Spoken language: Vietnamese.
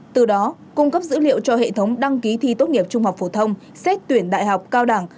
từ đó cung cấp dữ liệu cho hệ thống đăng ký thi tốt nghiệp trung học phổ thông xét tuyển đại học cao đẳng